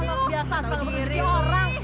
biasa nggak biasa sekali berjegit orang